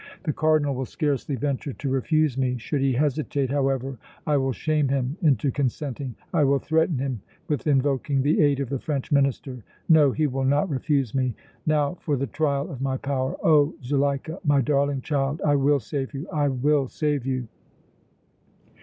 The Cardinal will scarcely venture to refuse me. Should he hesitate, however, I will shame him into consenting, I will threaten him with invoking the aid of the French minister! No, he will not refuse me! Now for the trial of my power! Oh! Zuleika, my darling child, I will save you, I will save you!"